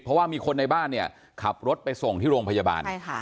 เพราะว่ามีคนในบ้านเนี่ยขับรถไปส่งที่โรงพยาบาล